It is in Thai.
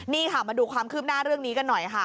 นี่ค่ะมาดูความคืบหน้าเรื่องนี้กันหน่อยค่ะ